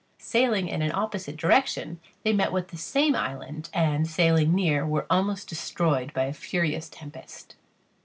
Sailing in an opposite direction, they met with the same island, and sailing near, were almost destroyed by a furious tempest.